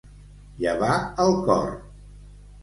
Llevar el cor.